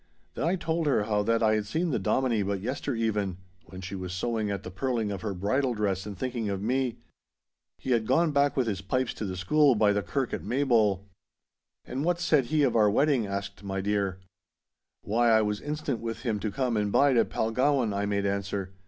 Then I told her how that I had seen the Dominie but yestereven, when she was sewing at the pearling of her bridal dress and thinking of me. He had gone back with his pipes to the school by the kirk at Maybole. 'And what said he of our wedding?' asked my dear. 'Why I was instant with him to come and bide at Palgowan,' I made answer.